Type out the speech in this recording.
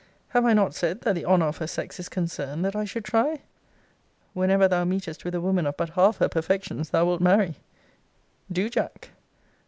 Have I not said, that the honour of her sex is concerned that I should try? Whenever thou meetest with a woman of but half her perfections, thou wilt marry Do, Jack.